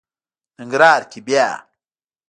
ننګرهار کې بیا...